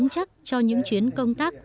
chắc cho những chuyến công tác